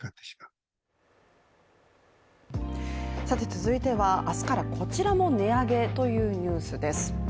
続いては、明日からこちらも値上げというニュースです。